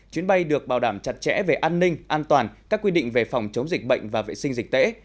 chuyến bay được bảo đảm chặt chẽ về an ninh an toàn các quy định về phòng chống dịch bệnh và vệ sinh dịch tễ